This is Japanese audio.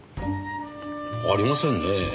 ありませんねえ。